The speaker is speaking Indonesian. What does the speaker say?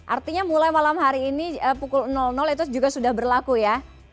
artinya mulai malam hari ini pukul itu juga sudah berlaku ya